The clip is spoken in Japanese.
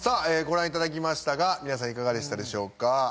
ご覧いただきましたが皆さんいかがでしたでしょうか